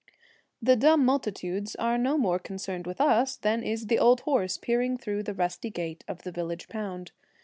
The dumb multitudes are no more concerned with us than is the old horse peering through the rusty gate of the village pound.